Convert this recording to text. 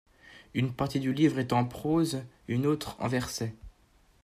Une partie du livre est en prose, une autre en verset.